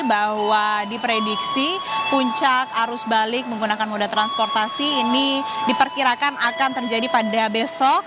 bahwa diprediksi puncak arus balik menggunakan moda transportasi ini diperkirakan akan terjadi pada besok